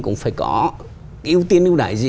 cũng phải có cái ưu tiên ưu đãi gì